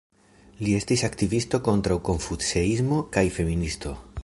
Li estis aktivisto kontraŭ konfuceismo kaj feministo.